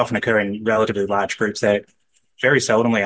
mereka sering terjadi di grup grup yang relatif besar